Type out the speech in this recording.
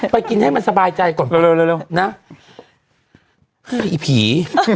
ไปกินให้มันสบายใจก่อนเร็วนะให้อีผี